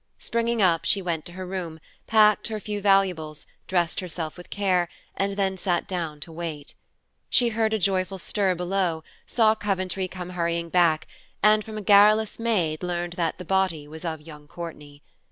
Springing up, she went to her room, packed her few valuables, dressed herself with care, and then sat down to wait. She heard a joyful stir below, saw Coventry come hurrying back, and from a garrulous maid learned that the body was that of young Courtney.